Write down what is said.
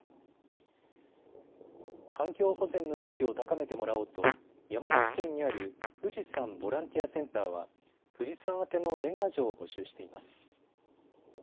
環境保全の意識を高めてもらおうと山梨県にある富士山ボランティアセンターは富士山あての年賀状を募集しています。